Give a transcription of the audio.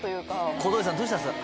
小峠さんどうしたんですか？